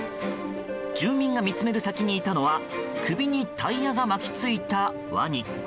住民が見つめる先にいたのは首にタイヤが巻き付いたワニ。